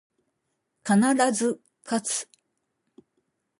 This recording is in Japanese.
必ず、かつ